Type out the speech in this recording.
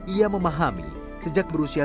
ia memahami sejak dikutuk